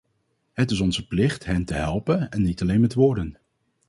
Het is onze plicht hen te helpen en niet alleen met woorden.